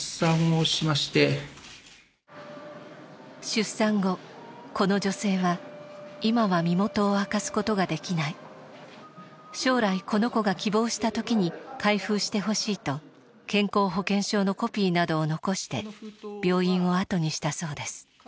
出産後この女性は「今は身元を明かすことができない」「将来この子が希望したときに開封してほしい」と健康保険証のコピーなどを残して病院をあとにしたそうです。